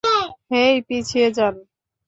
হেই, পিছিয়ে যান!